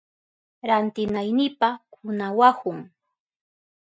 Rantinaynipa kunawahun.